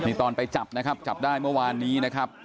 นี่ตอนไปจับนะครับจับได้เมื่อวานนี้นะครับ